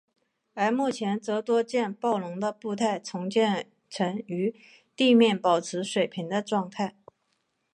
而目前则多将暴龙的步态重建成与地面保持水平的状态。